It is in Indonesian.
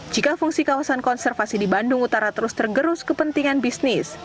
jika fungsi kawasan konservasi di bandung utara terus tergerus kepentingan bisnis